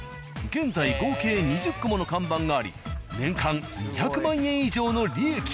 現在合計２０個もの看板があり年間２００万円以上の利益に。